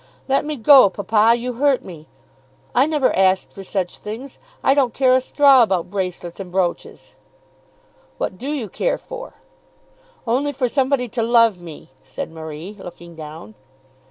"Let me go, papa; you hurt me. I never asked for such things. I don't care a straw about bracelets and brooches." "What do you care for?" "Only for somebody to love me," said Marie, looking down.